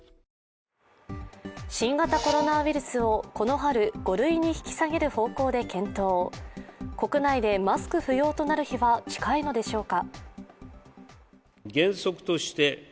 新型コロナウイルスをこの春５類に引き下げる方向で検討国内でマスク不要となる日は近いのでしょうか。